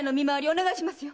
お願いしますよ。